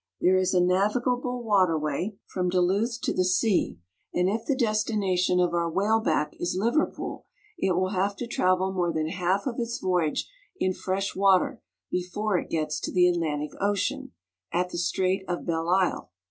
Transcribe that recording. There is a navigable waterway THE BASIN OF THE LAKES. 1 75 from Duluth to the sea, and if the destination of our whale back is Liverpool, it will have to travel more than half of its voyage in fresh water before it gets to the Atlantic Ocean, at the Strait of Belle Isle.